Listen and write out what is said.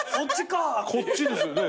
こっちですよね。